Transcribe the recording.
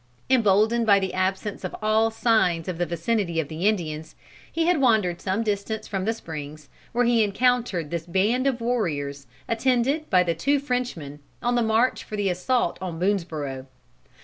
Emboldened by the absence of all signs of the vicinity of the Indians, he had wandered some distance from the springs, where he encountered this band of warriors, attended by the two Frenchmen, on the march for the assault on Boonesborough.